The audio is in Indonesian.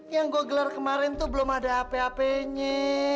yang gue gelar kemarin tuh belum ada ap apenye